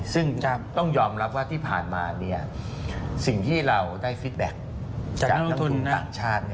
ซึ่งต้องยอมรับว่าที่ผ่านมาสิ่งที่เราได้ฟิตแบ็คจากนักทุนต่างชาติ